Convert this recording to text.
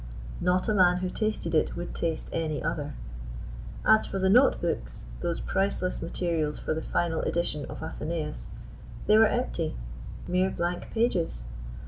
Not a man who tasted it would taste any other. As for the notebooks those priceless materials for the final edition of Athenaeus they were empty, mere blank pages!